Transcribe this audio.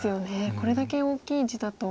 これだけ大きい地だと。